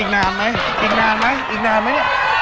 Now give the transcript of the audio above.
อีกนานไหมอีกนานไหมอีกนานไหม